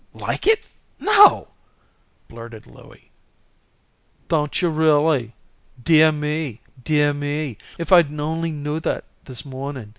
"Like it! No!" blurted Louie. "Don't yuh, rully! Deah me! Deah me! If I'd only knew that this morning.